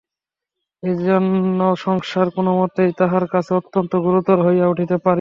এইজন্য সংসার কোনোমতেই তাঁহার কাছে অত্যন্ত গুরুতর হইয়া উঠিতে পারিত না।